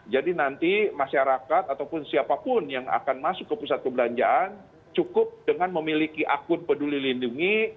nanti masyarakat ataupun siapapun yang akan masuk ke pusat perbelanjaan cukup dengan memiliki akun peduli lindungi